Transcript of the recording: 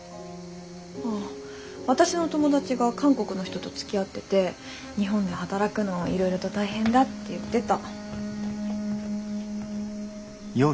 あ私の友達が韓国の人とつきあってて日本で働くのいろいろと大変だって言ってた。